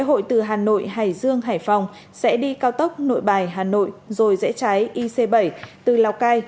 lễ hội từ hà nội hải dương hải phòng sẽ đi cao tốc nội bài hà nội rồi rẽ trái ic bảy từ lào cai